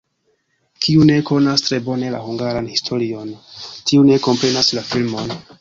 Kiu ne konas tre bone la hungaran historion, tiu ne komprenas la filmon.